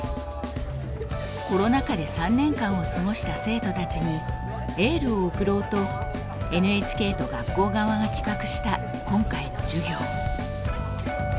コロナ禍で３年間を過ごした生徒たちにエールを送ろうとＮＨＫと学校側が企画した今回の授業。